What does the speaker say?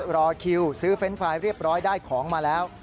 รอคิวซื้อเฟรนด์ไฟล์เรียบร้อยได้ของมาแล้ว